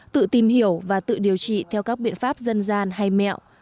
tự tìm hiểu và tự điều trị theo các biện pháp dân gian hay mẹo